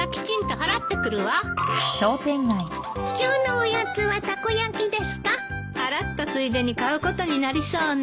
払ったついでに買うことになりそうね。